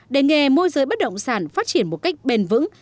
để nghề môi giới bất động sản phát triển một cách bền vững